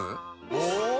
お！